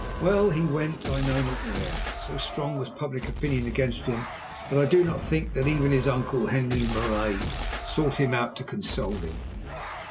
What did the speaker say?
Well, he went I know not where, and so strong was public opinion against him that I do not think that even his uncle, Henri Marais, sought him out to console him.